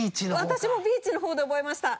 私もビーチのほうで覚えました。